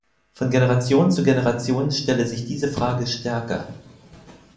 Von Generation zu Generation stelle sich diese Frage stärker.